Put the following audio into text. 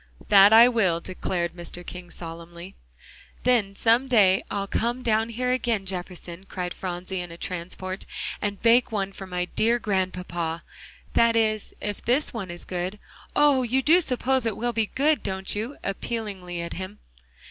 "That I will," declared Mr. King solemnly. "Then some day I'll come down here again, Jefferson," cried Phronsie in a transport, "and bake one for my dear Grandpapa. That is, if this one is good. Oh! you do suppose it will be good, don't you?" appealingly at him.